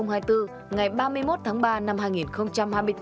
ngày ba mươi một tháng ba năm hai nghìn hai mươi bốn